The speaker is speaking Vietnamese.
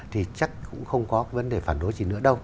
thì chắc cũng không có vấn đề phản đối gì nữa đâu